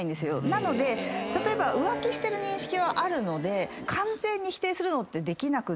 なので例えば浮気してる認識はあるので完全に否定するのってできなくって。